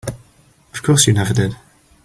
Of course you never did.